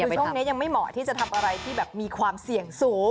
คือช่วงนี้ยังไม่เหมาะที่จะทำอะไรที่แบบมีความเสี่ยงสูง